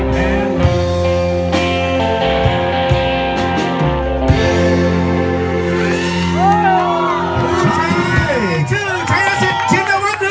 ทีที่ท่านก็เกิดไม่เป็นอย่างกว่า